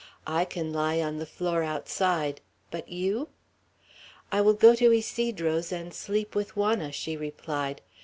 I can lie on the floor outside; but you?" "I will go to Ysidro's, and sleep with Juana," she replied.